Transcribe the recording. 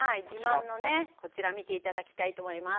こちら見て頂きたいと思います。